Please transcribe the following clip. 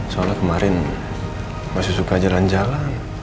soalnya kemarin masih suka jalan jalan